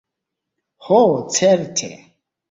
Ho, certe!